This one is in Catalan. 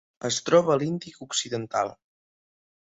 Es troba a l'Índic occidental.